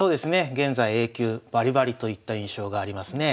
現在Ａ級バリバリといった印象がありますね。